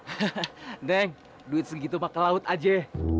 hahaha neng duit segitu mah ke laut aja